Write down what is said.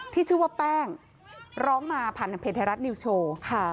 ที่ชื่อว่าแป้งร้องมาผ่านเพจรัฐนิวส์โชว์